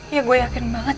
ya gue yakin banget